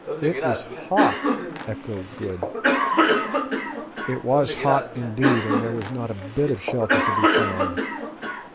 "It is hot!" echoed Good. It was hot, indeed, and there was not a bit of shelter to be found.